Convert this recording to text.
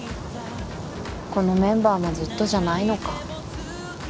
このメンバーもずっとじゃないのか。